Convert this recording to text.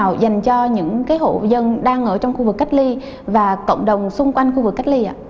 vào dành cho những cái hộ dân đang ở trong khu vực cách ly và cộng đồng xung quanh khu vực cách ly ạ